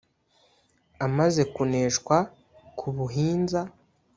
amaze kuneshwa ku buhinza